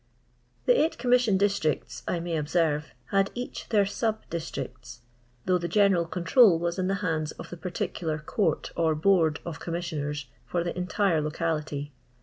The eight c(«imission districts!, I may observe, had each their sub districts, though the "general control wns in the hands of the particular Court or Board of Commissioners for the entire locality.